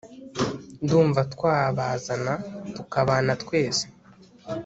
Ndumva twabazana tukabana twese